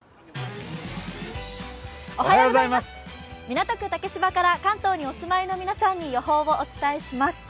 港区竹芝から関東にお住まいの皆さんに予報をお伝えします。